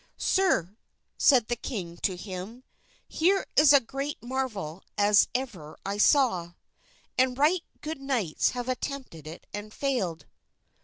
"Sir," said the king to him, "here is a great marvel as ever I saw, and right good knights have attempted it and failed."